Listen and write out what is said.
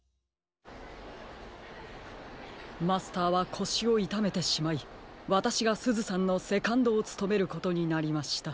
マスターはこしをいためてしまいわたしがすずさんのセカンドをつとめることになりました。